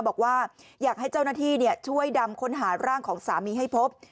บอกว่าอยากให้เจ้าหน้าที่ช่วยดำค้นหาร่างของสามีให้พบ